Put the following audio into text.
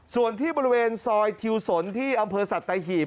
ส่วนที่บริเวณซอยทิวสนที่อำเภอสัตหีบ